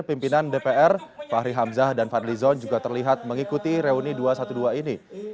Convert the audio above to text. pimpinan dpr fahri hamzah dan fadli zon juga terlihat mengikuti reuni dua ratus dua belas ini